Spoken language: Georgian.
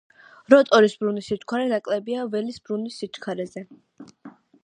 როტორის ბრუნვის სიჩქარე ნაკლებია ველის ბრუნვის სიჩქარეზე.